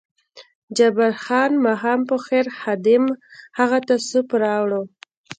جبار خان: ماښام په خیر، خادم هغه ته سوپ راوړ.